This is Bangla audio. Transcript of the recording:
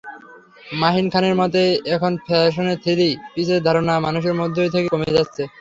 মাহিন খানের মতে, এখন ফ্যাশনে থ্রি-পিসের ধারণা মানুষের মধ্য থেকে কমে যাচ্ছে।